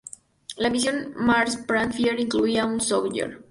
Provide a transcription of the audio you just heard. La misión Mars Pathfinder incluía un "Sojourner".